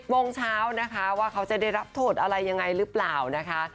โมงเช้านะคะว่าเขาจะได้รับโทษอะไรยังไงหรือเปล่านะคะ